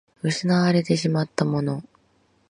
失われてしまったもの